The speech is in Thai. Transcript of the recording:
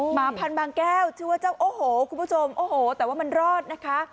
หมาพันบางแก้วชื่อว่าเจ้าโอ้โหคุณผู้ชมโอ้โหแต่ว่ามันรอดนะคะ